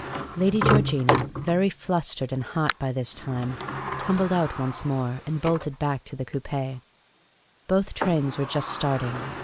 '' Lady Georgina, very flustered and hot by this time, tum bled out once more, and bolted back to the coupe. Both trains were just starting.